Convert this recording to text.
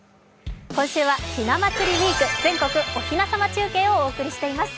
今週は「ひな祭りウイーク全国おひな様中継」をお送りしています。